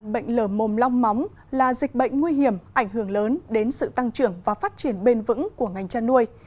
bệnh lở mồm long móng là dịch bệnh nguy hiểm ảnh hưởng lớn đến sự tăng trưởng và phát triển bền vững của ngành chăn nuôi